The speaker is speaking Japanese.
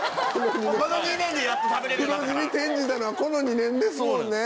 黒字に転じたのはこの２年ですもんね。